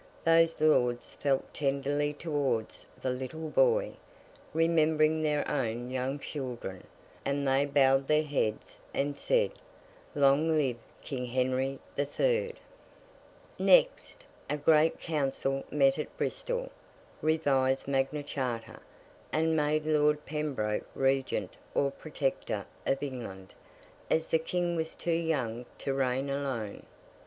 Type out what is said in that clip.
Those Lords felt tenderly towards the little boy, remembering their own young children; and they bowed their heads, and said, 'Long live King Henry the Third!' Next, a great council met at Bristol, revised Magna Charta, and made Lord Pembroke Regent or Protector of England, as the King was too young to reign alone.